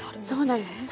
そうなんです。